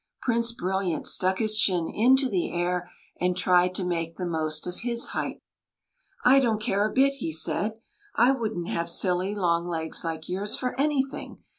Prince Brilliant stuck his chin into the air and tried to make the most of his height. I50 THE LADY DAFFODILIA " I don't care a bit/' he said ;'' I would n't have silly long legs like yours for anything.